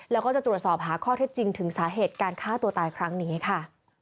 แล้วก็จะตรวจสอบหาข้อเท็จจริงถึงสาเหตุการฆ่าตัวตายครั้งนี้ค่ะ